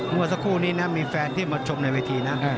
เมื่อสักครู่นี้นะมีแฟนที่มาชมในเวทีนะ